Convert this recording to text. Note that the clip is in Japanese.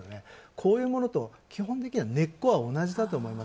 こういうものと基本的には根っこは同じだと思います。